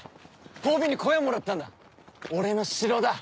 褒美に小屋もらったんだ俺の城だ！